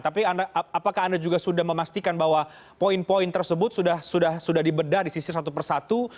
tapi apakah anda juga sudah memastikan bahwa poin poin tersebut sudah dibedah di sisi satu persatu